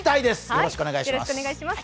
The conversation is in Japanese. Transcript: よろしくお願いします。